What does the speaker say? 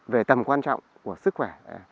về tầm quan trọng của sức khỏe